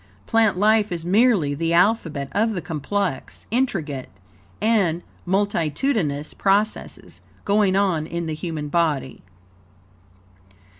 Plant life is merely the alphabet of the complex, intricate, and multitudinous processes, going on in the human body.